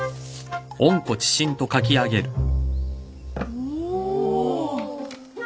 おお。